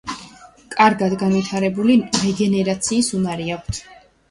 კარგად განვითარებული რეგენერაციის უნარი აქვთ.